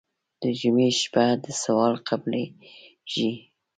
د جمعې شپه ده سوال قبلېږي.